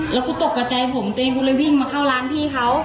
แล้วกูตกกับใจผมตัวเองกูเลยวิ่งมาเข้าร้านพี่เขา